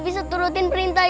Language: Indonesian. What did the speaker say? tidak zagarb suas lindas